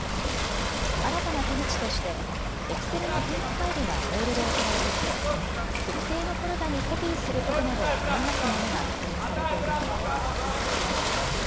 新たな手口としてエクセルの添付ファイルがメールで送られてきて特定のフォルダーにコピーすることなどを促すものが確認されているということです。